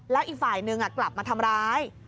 แล้วอีกฝ่ายนึงกลับมาทำร้าย